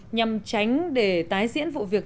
nhằm tránh để tái diễn vụ việc